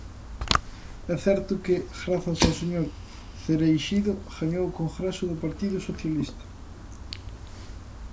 É certo que, grazas ao señor Cereixido, gañou o Congreso do Partido Socialista.